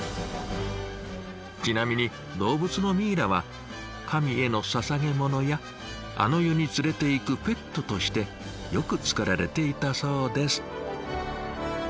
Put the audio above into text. ちなみに動物のミイラは神へのささげ物やあの世に連れていくペットとしてよく作られていたそうです。